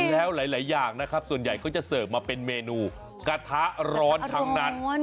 แล้วหลายอย่างนะครับส่วนใหญ่ก็จะเสิร์ฟมาเป็นเมนูกระทะร้อนทั้งนั้น